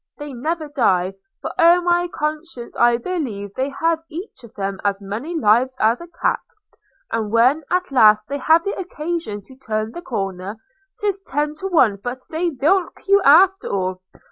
– They never die; for o' my conscience I believe they have each of them as many lives as a cat: and when at last they have the conscience to turn the corner, it's ten to one but they bilk you after all.